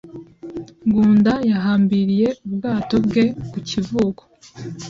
Ngunda yahambiriye ubwato bwe ku kivuko.